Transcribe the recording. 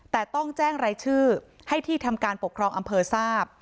แต่ต้องแจ้งรายชื่อให้ที่ทำการปกครองอำเภอทราบ